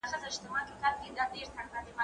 زه پرون نان خورم؟!